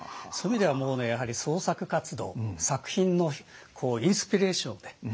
そういう意味ではもうねやはり創作活動作品のインスピレーションをね